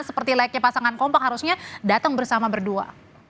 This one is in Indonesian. seperti layaknya pasangan kompak harusnya datang bersama berdua